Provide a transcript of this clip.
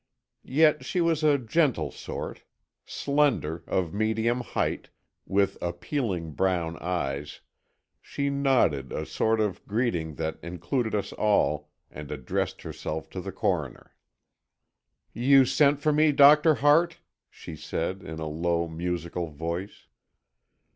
Yet she was a gentle sort. Slender, of medium height, with appealing brown eyes, she nodded a sort of greeting that included us all, and addressed herself to the coroner. "You sent for me, Doctor Hart?" she said, in a low, musical voice.